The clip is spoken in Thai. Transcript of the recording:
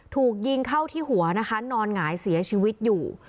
ถูกยิงเข้าที่หัวนะคะนอนหงายเสียชีวิตอยู่